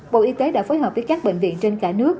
bộ y tế đã phối hợp với các bệnh viện trên cả nước